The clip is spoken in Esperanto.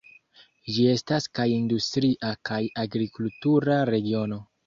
Ĝi estas kaj industria kaj agrikultura regiono.